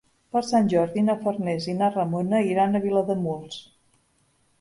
Per Sant Jordi na Farners i na Ramona iran a Vilademuls.